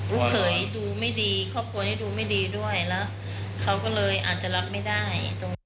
เขยดูไม่ดีครอบครัวนี้ดูไม่ดีด้วยแล้วเขาก็เลยอาจจะรับไม่ได้ตรงนี้